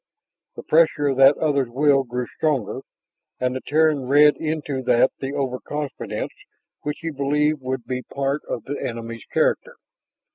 The pressure of that other's will grew stronger. And the Terran read into that the overconfidence which he believed would be part of the enemy's character.